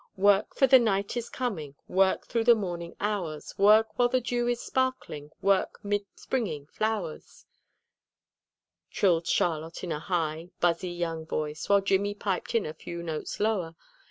"'Work, for the night is coming, Work through the morning hours, Work while the dew is sparkling, Work 'mid springing flowers,'" trilled Charlotte in a high, buzzy young voice, while Jimmy piped in a few notes lower.